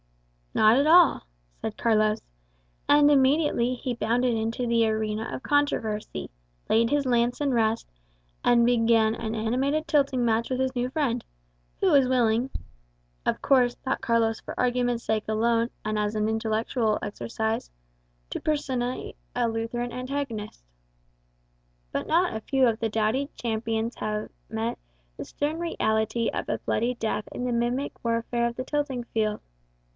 "Not at all," said Carlos; and immediately he bounded into the arena of controversy, laid his lance in rest, and began an animated tilting match with his new friend, who was willing (of course, thought Carlos, for argument's sake alone, and as an intellectual exercise) to personate a Lutheran antagonist. But not a few doughty champions have met the stern reality of a bloody death in the mimic warfare of the tilting field.